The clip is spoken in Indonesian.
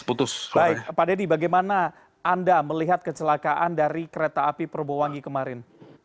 baik pak deddy bagaimana anda melihat kecelakaan dari kereta api perbowangi kemarin